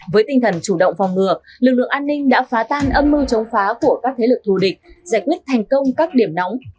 với tinh thần chủ động phòng ngừa lực lượng an ninh đã phá tan âm mưu chống phá của các thế lực thù địch giải quyết thành công các điểm nóng